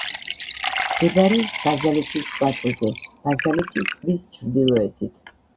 მდებარეობს ბაზალეთის პლატოზე, ბაზალეთის ტბის ჩრდილოეთით.